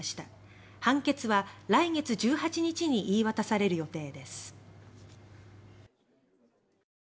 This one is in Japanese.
判決は、来月１８日に言い渡される予定です。